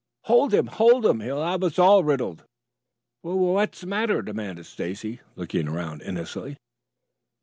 "Hold him! Hold him! He'll have us all riddled!" "Wha what's the matter?" demanded Stacy looking around innocently.